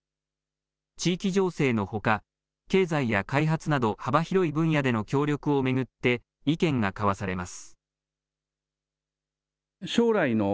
地域情勢のほか経済や開発など幅広い分野での協力を巡って意見が交わされます。